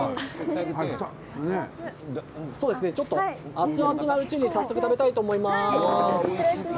熱々なうちに早速食べたいと思います。